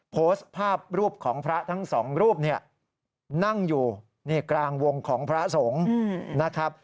โพสต์ภาพรูปของพระทั้งสองรูปเนี่ยนั่งอยู่นี่กลางวงของพระสงฆ์นะครับ